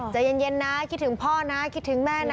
ใจเย็นนะคิดถึงพ่อนะคิดถึงแม่นะ